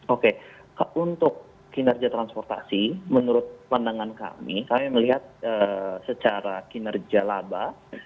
oke untuk kinerja transportasi menurut pandangan kami kami melihat secara kinerja laba